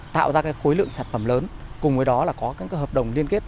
tạo ra khối lượng sản phẩm lớn cùng với đó là có các hợp đồng liên kết